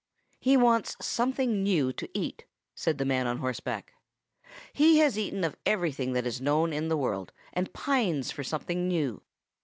"'He wants something new to eat,' said the man on horseback. 'He has eaten of everything that is known in the world, and pines for something new.